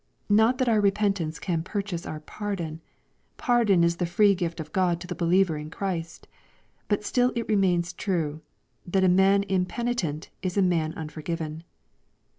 Not that our re pentance can purchase our pardon. Pardon is tbe free gift of God to the believer in Christ. But still it re mains true, that a man impenitent is a man unforgiven.